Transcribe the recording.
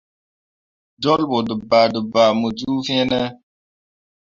Jolɓo dǝbaadǝbaa mu ju fine.